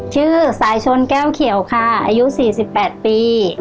ชื่อสายชนแก้วเขียวค่ะอายุ๔๘ปี